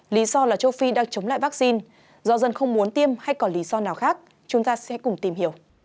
lý do là châu phi đang chống lại vaccine do dân không muốn tiêm hay còn lý do nào khác chúng ta sẽ cùng tìm hiểu